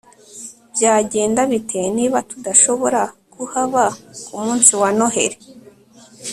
byagenda bite niba tudashobora kuhaba kumunsi wa noheri